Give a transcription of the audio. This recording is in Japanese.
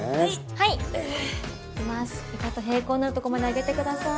床と平行になるところまで上げてください。